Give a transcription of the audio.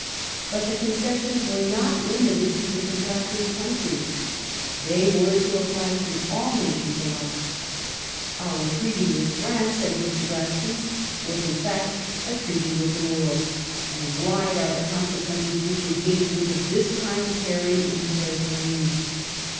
But the concessions were not limited to the contracting countries : they were to apply to all nations alike. " Our treaty with France," said Mr. Gladstone, was in fact a treaty with the world, and wide are the consequences which engagements of that kind carry in their train."